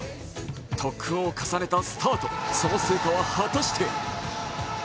特訓を重ねたスタート、その成果は果たして。